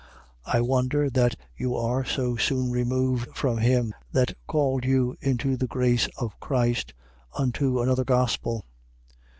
1:6. I wonder that you are so soon removed from him that called you into the grace of Christ, unto another gospel.